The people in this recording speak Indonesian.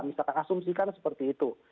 misalkan asumsikan seperti itu